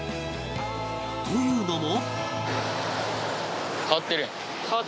というのも